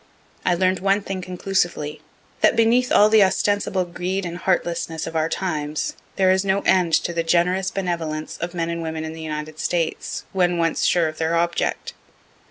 I learn'd one thing conclusively that beneath all the ostensible greed and heartlessness of our times there is no end to the generous benevolence of men and women in the United States, when once sure of their object.